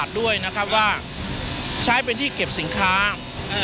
สถานการณ์ข้อมูล